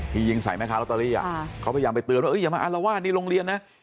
ยิงใส่แม่ค้าลอตเตอรี่เขาพยายามไปเตือนว่าอย่ามาอารวาสในโรงเรียนนะ